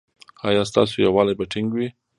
ایا ستاسو یووالي به ټینګ وي؟